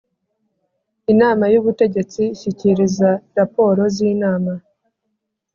Inama y Ubutegetsi ishyikiriza raporo z inama